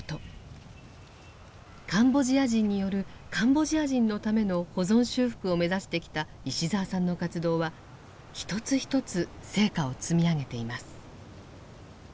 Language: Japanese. カンボジア人によるカンボジア人のための保存修復を目指してきた石澤さんの活動は一つ一つ成果を積み上げています。